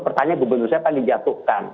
pertanyaan gubernur saya apa yang dijatuhkan